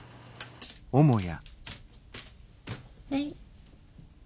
はい。